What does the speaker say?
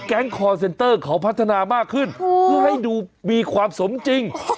คอร์เซ็นเตอร์เขาพัฒนามากขึ้นเพื่อให้ดูมีความสมจริง